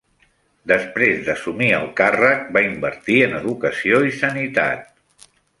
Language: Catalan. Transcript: Després d'assumir el càrrec va invertir en educació i sanitat.